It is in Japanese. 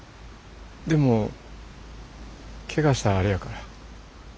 でもけがしたらあれやから。